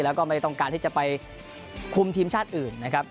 แล้วก็ไม่ต้องการที่จะไปคุมทีมชาติอื่นนะครับ